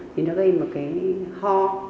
thì nó gây một cái ho